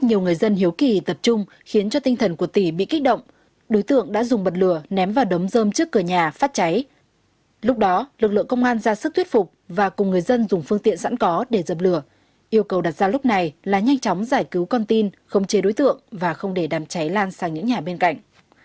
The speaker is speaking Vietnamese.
nhiều người dân hiếu kỳ tập trung khiến cho tinh thần của tỉ bị kích động đối tượng đã dùng bật lửa ném vào đấm dơm trước cửa nhà phát cháy lúc đó lực lượng công an ra sức thuyết phục và cùng người dân dùng phương tiện sẵn có để dập lửa yêu cầu đặt ra lúc này là nhanh chóng giải cứu con tin không chế đối tượng và không để đàm cháy lan sang những nhà bên cạnh